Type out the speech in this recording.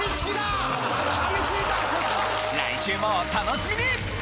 来週もお楽しみに！